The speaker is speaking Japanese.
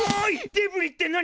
デブリって何？